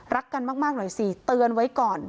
รักกันมากหน่อยสิเตือนไว้ก่อน